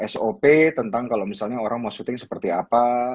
sop tentang kalau misalnya orang mau syuting seperti apa